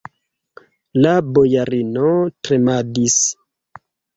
La bojarino tremadis.